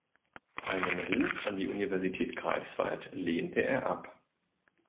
Einen Ruf an die Universität Greifswald lehnte er ab.